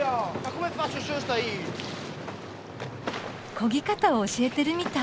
こぎ方を教えてるみたい。